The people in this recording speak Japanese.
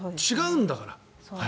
違うんだから。